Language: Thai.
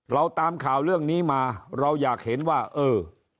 เราตามข่าวเรื่องนี้มาเราอยากเห็นว่าเออ